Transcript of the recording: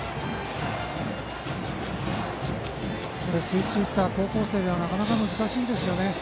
スイッチヒッターは高校生ではなかなか難しいんですよね。